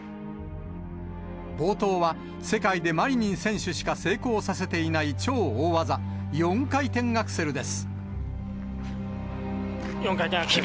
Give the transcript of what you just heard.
冒頭は世界でマリニン選手しか成功させていない超大技、４回転ア４回転アクセル。